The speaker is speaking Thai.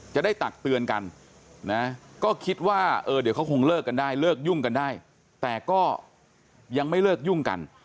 ตักเตือนกันนะก็คิดว่าเออเดี๋ยวเขาคงเลิกกันได้เลิกยุ่งกันได้แต่ก็ยังไม่เลิกยุ่งกัน